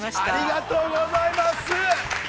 ◆ありがとうございます。